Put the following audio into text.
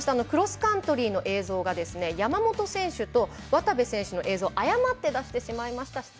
クロスカントリーの映像が山本選手と渡部選手の映像を誤って出してしまいました。